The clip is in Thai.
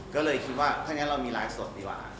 ก็เลยคิดว่าถ้างั้นเรามีไลฟ์สดดีกว่า